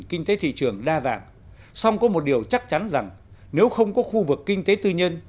kinh tế thị trường đa dạng song có một điều chắc chắn rằng nếu không có khu vực kinh tế tư nhân